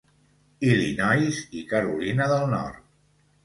Illinois i Carolina del Nord.